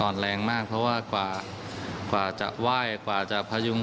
อ่อนแรงมากเพราะว่ากว่าจะไหว้กว่าจะพยุง